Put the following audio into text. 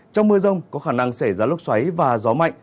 trong mưa rông có khả năng xảy ra lốc xoáy và gió mạnh